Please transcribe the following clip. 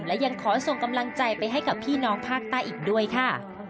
และยังขอส่งกำลังใจไปให้กับพี่น้องภาคใต้อีกด้วยค่ะ